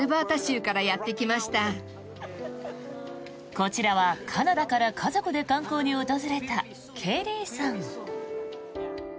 こちらはカナダから家族で観光に訪れたケリーさん。